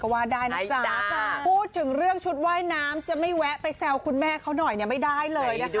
ว่าได้นะจ๊ะพูดถึงเรื่องชุดว่ายน้ำจะไม่แวะไปแซวคุณแม่เขาหน่อยเนี่ยไม่ได้เลยนะคะ